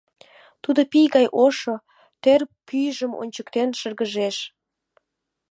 Тудо пий гай ошо, тӧр пӱйжым ончыктен шыргыжеш.